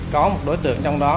có một đối tượng trong đó